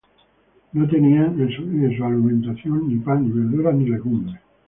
No tenían en su alimentación ni pan ni verduras ni legumbres.